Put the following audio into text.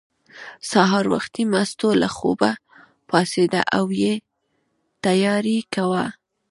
سهار وختي مستو له خوبه پاڅېده او یې تیاری کاوه.